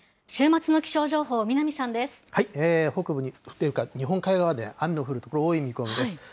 北部に、日本海側で雨の降る所多い見込みです。